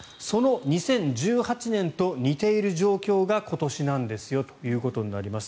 その２０１８年と似ている状況が今年なんですよということになります。